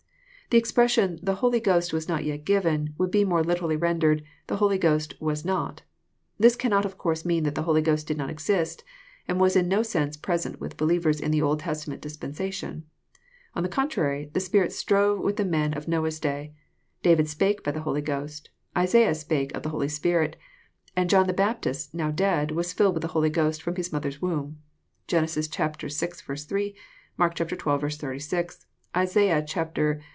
The expression " the Holy Ghost was not yet given," would be more literally rendered, " the Holy Ghost was not." This cannot of conrse mean that the Holy Ghost did not exist, and was in no sense present with believers in the Old Testament dispensation. On the contrary, the Spirit Btrove with the men of Noah's day, — David spake by the Holy Ghost, — Isaiah spake of the Holy Spirit,— and John the Baptist, now dead, was filled with the Holy Ghost from his mother's womb, (fien, vi. 3 ; M&rk xii. 86; Isa. Ixiii.